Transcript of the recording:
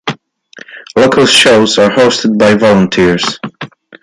Local shows are hosted by volunteers.